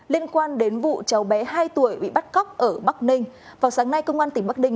liên quan đến vụ cháu bé hai tuổi bị bắt cóc ở bắc ninh vào sáng nay công an tỉnh bắc ninh